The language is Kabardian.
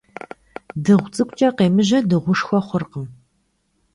Дыгъу цӀыкӀукӀэ къемыжьэ дыгъушхуэ хъуркъым.